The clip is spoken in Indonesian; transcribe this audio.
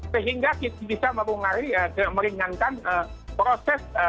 sehingga kita bisa meringankan proses